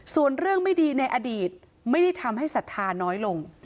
ส่วนเรื่องไม่ดีในอดีตไม่ได้ทำให้ศรัทธาน้อยลง